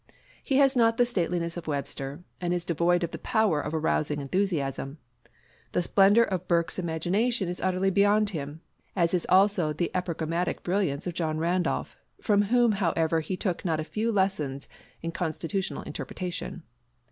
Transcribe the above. He has not the stateliness of Webster, and is devoid of the power of arousing enthusiasm. The splendor of Burke's imagination is utterly beyond him, as is also the epigrammatic brilliance of John Randolph, from whom, however, he took not a few lessons in constitutional interpretation.